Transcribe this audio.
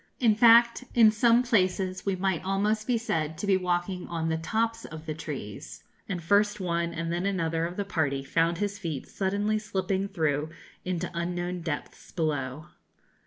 In fact, in some places we might almost be said to be walking on the tops of the trees, and first one and then another of the party found his feet suddenly slipping through into unknown depths below.